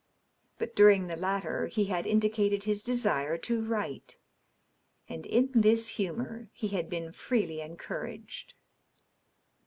But during the latter he had indicated his desire to write, and in this humor he had been freely encouraged.